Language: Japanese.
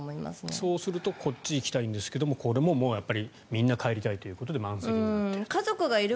そうするとこっちに行きたいんですがここでもやっぱりみんなが帰りたいということで満席になっている。